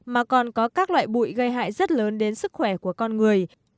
mà còn có các loại bụi gây hại rất lớn đến sức khỏe của con người